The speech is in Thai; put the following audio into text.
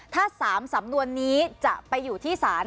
ถ้า๓สำนวนนี้จะไปอยู่ที่ศาล